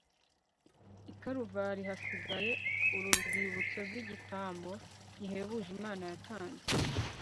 ikaruvari hasigaye ar'urwibutso rw'igitambo gihebuje imana yatanze